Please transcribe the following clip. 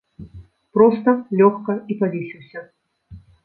Проста лёгка і павесіўся!